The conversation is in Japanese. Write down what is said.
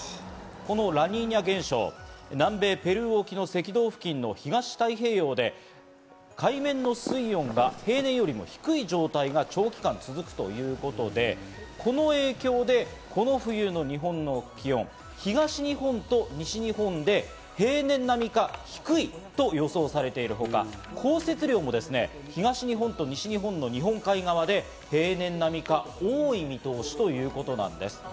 このラニーニャ現象、南米・ペルー沖の赤道付近の東太平洋で海面の水温が平年よりも低い状態が長期間続くということで、この影響でこの冬の日本の気温、東日本と西日本で平年並みか低いと予想されているほか、降雪量もですね、東日本と西日本の日本海側で平年並みか多い見通しということなんです。